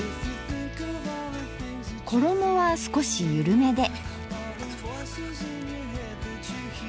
衣は少しゆるめで。